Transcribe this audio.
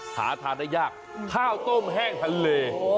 หาทานได้ยากข้าวต้มแห้งทะเล